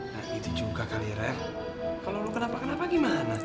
nah itu juga kali ya reva kalo lo kenapa kenapa gimana